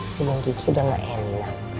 cuman kiki udah nggak enak